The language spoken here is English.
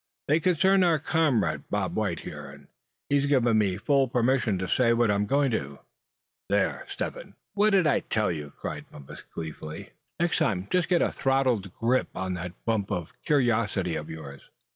They concern our comrade Bob White here, and he's given me full permission to say what I'm going to." "There, Step Hen, what did I tell you?" cried Bumpus, gleefully. "Next time just get a throttle grip on that bump of curiosity of yours."